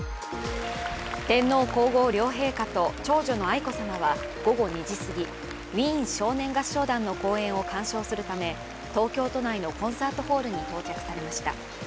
天皇皇后両陛下と長女の愛子さまは午後２時すぎ、ウィーン少年合唱団の公演を鑑賞するため東京都内のコンサートホールに到着されました。